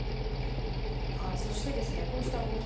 そして、こうした動き